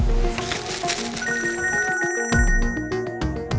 dan saya akan mengingatimu